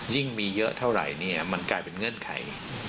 ยิ่งมีเยอะเท่าไหร่เนี่ยมันกลายเป็นเงื่อนไข